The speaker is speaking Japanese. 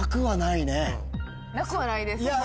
なくはないです。